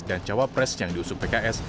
dan cawapres yang diusung pks